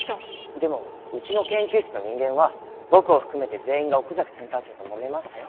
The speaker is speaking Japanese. でもうちの研究室の人間は僕を含めて全員が奥崎センター長ともめましたよ。